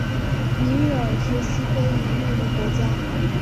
尼日尔是西非一内陆国家。